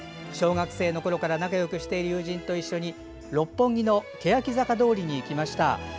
小学生のころから仲よくしている友人と一緒に六本木のけやき坂通りに行きました。